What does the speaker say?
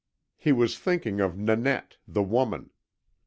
He was thinking of Nanette, the woman.